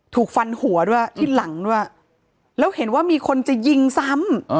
ถูกฟันหัวด้วยที่หลังด้วยแล้วเห็นว่ามีคนจะยิงซ้ำ